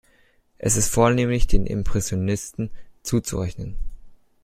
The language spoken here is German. Er ist vornehmlich den Impressionisten zuzurechnen.